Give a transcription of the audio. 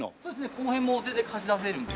この辺も全然貸し出せるんで。